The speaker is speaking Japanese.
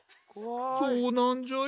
こうなんじゃよ。